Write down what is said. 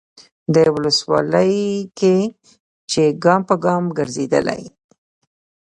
دې ولسوالۍ کې چې ګام به ګام ګرځېدلی،